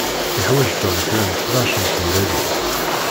Yuḥwaǧ Tom kra n tnac n tmellalin.